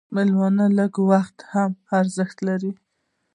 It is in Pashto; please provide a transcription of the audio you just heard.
مېلمه ته لږ وخت هم ارزښت لري.